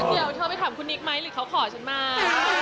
เอาเธอไปทำคุณนิกไหมหรือเขาขอฉันมา